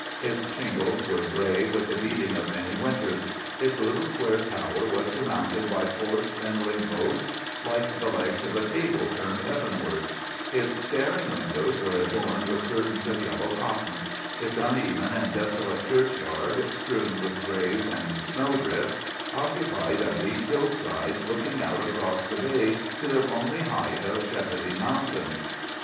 Its shingles were gray with the beating of many winters; its little square tower was surmounted by four spindling posts, like the legs of a table turned heavenward; its staring windows were adorned with curtains of yellow cotton; its uneven and desolate churchyard, strewn with graves and snowdrifts, occupied a bleak hillside looking out across the bay to the lonely height of Shepody Mountain.